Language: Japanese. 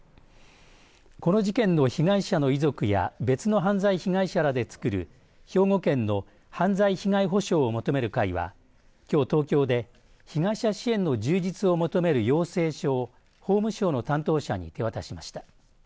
この事件の被害者の遺族や別の犯罪被害者らでつくる兵庫県の犯罪被害補償を求める会はきょう、東京で被害者支援の充実を求める要請書を法務省の担当者に手渡しました。